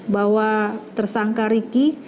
bahwa tersangka ricky